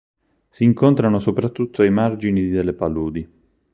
Si incontrano soprattutto ai margini delle paludi.